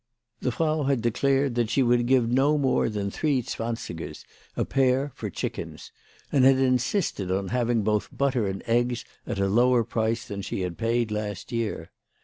The Frau had declared that she would give no more than three zwansigers a pair for chickens, and had insisted on having both butter and eggs at a lower price than she had paid last year.